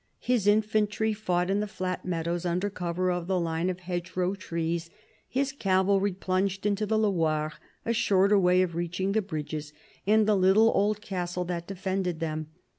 His infantry fought in the flat meadows, under cover of the lines of hedgerow trees ; his cavalry plunged into the Loire, a shorter way of reaching the bridges and the little old castle that defended them.